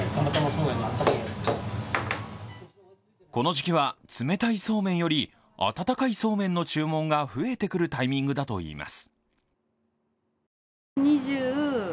この時期は冷たいそうめんより温かいそうめんの注文が増えてくるタイミングだといいます。